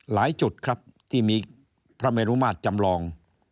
หลายจุดครับที่มีพระเมรุมาตรจำลอง